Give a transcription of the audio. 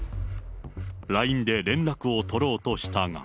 ＬＩＮＥで連絡を取ろうとしたが。